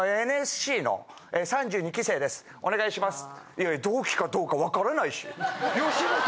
いやいや同期かどうかわからないし。